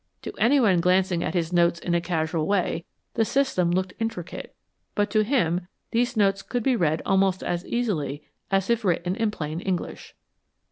To anyone glancing at his notes in a casual way, the system looked intricate, but to him these notes could be read almost as easily as if written in plain English.